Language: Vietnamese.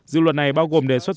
dự luật này bao gồm đề xuất